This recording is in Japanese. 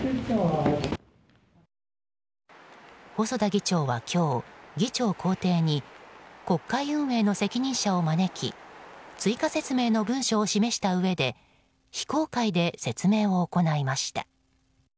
細田議長は今日議長公邸に国会運営の責任者を招き追加説明の文書を示したうえで非公開で説明を行いました。